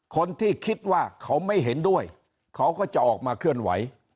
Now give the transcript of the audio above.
คนที่คิดว่าเขาไม่เห็นด้วยเขาก็จะออกมาเคลื่อนไหว